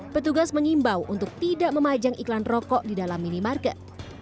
petugas mengimbau untuk tidak memajang iklan rokok di dalam minimarket